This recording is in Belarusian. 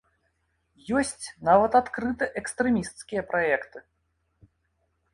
Ёсць нават адкрыта экстрэмісцкія праекты.